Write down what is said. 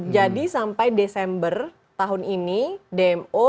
jadi sampai desember tahun ini kita sudah mencabut